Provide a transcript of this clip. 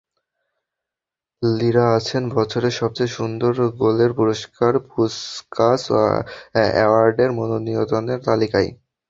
লিরা আছেন বছরের সবচেয়ে সুন্দর গোলের পুরস্কার পুসকাস অ্যাওয়ার্ডের মনোনীতদের তালিকায়।